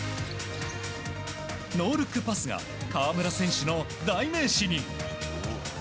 ノールックパスが河村選手の代名詞に。